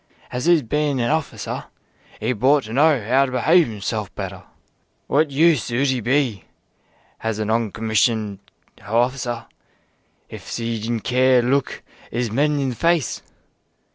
"Has 'e 's been han hofficer 'e bought to know 'ow to be'ave 'isself better. What use 'ud 'e be has a non commissioned hofficer hif 'e didn't dare look 'is men in the face?